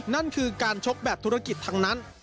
นั่นคือการชกแบบธุรกิจทั้งนั้น